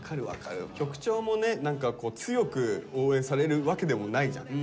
曲調もね何か強く応援されるわけでもないじゃん。